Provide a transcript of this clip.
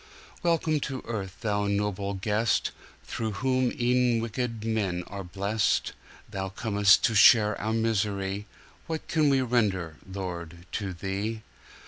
Welcome to earth, Thou noble guest, Through whom e'en wicked men are blest! Thou com'st to share our misery, What can we render, Lord, to Thee!